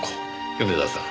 米沢さん